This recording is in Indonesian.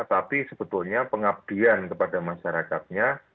tapi sebetulnya pengabdian kepada masyarakatnya